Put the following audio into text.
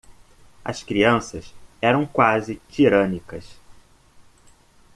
As crianças eram quase tirânicas.